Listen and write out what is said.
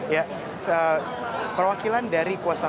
ya perwakilan dari